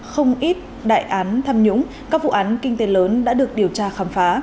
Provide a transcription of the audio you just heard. không ít đại án tham nhũng các vụ án kinh tế lớn đã được điều tra khám phá